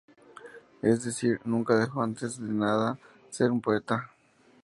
Es decir, nunca dejó, antes de nada, de ser un poeta.